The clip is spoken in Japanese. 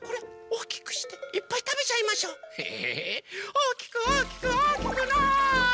おおきくおおきくおおきくなあれ！